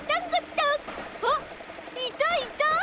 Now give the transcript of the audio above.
あっいたいた！